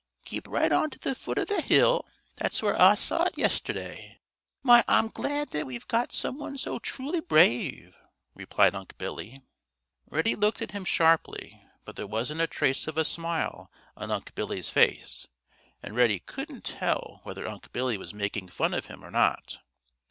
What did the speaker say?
"Keep right on to the foot of the hill; that's where Ah saw it yesterday. My, Ah'm glad that we've got some one so truly brave!" replied Unc' Billy. Reddy looked at him sharply, but there wasn't a trace of a smile on Unc' Billy's face, and Reddy couldn't tell whether Unc' Billy was making fun of him or not.